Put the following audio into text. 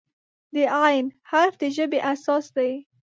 د "ع" حرف د ژبې اساس دی.